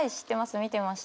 見てました。